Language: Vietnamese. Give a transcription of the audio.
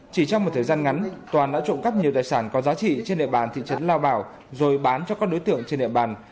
chỉ trong một thời gian ngắn toàn đã trộm cắp nhiều tài sản có giá trị trên địa bàn thị trấn lao bảo rồi bán cho các đối tượng trên địa bàn